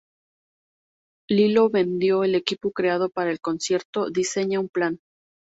Lilo, viendo el equipo creado para el concierto, diseña un plan.